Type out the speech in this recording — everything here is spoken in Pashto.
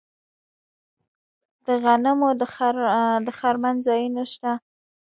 د غنمو د خرمن ځایونه شته.